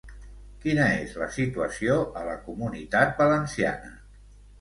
Quina és la situació a la Comunitat Valenciana?